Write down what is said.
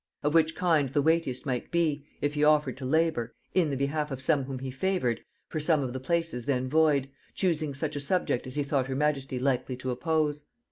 Of which kind the weightiest might be, if he offered to labor, in the behalf of some whom he favored, for some of the places then void, choosing such a subject as he thought her majesty likely to oppose....